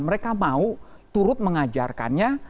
mereka mau turut mengajarkannya